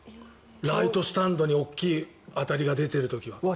ライトスタンドに大きい当たりが出ている時は。